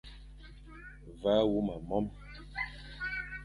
Ve a huma mome.